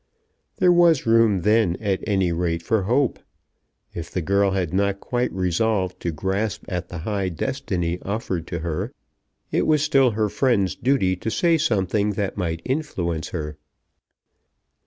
There was room then at any rate for hope! If the girl had not quite resolved to grasp at the high destiny offered to her, it was still her friend's duty to say something that might influence her.